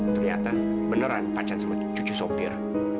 ternyata beneran pacan sama cucu sopir